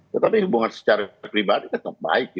tetapi hubungan secara pribadi tetap baik